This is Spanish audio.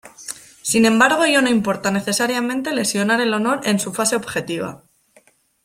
Sin embargo ello no importa necesariamente lesionar el honor en su fase objetiva.